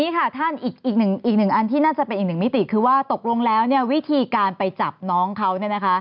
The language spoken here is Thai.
อีกหนึ่งอันที่น่าจะเป็นอีกหนึ่งมิติคือว่าตกลงแล้ววิธีการไปจับน้องเขา